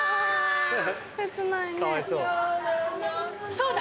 そうだ！